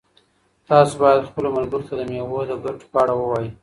تاسو باید خپلو ملګرو ته د مېوو د ګټو په اړه ووایئ.